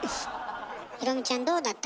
裕美ちゃんどうだった？